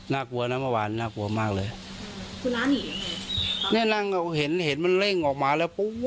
กลัวนะเมื่อวานน่ากลัวมากเลยคุณร้านหนียังไงเนี่ยนั่งก็เห็นเห็นมันเร่งออกมาแล้วปุ๊บ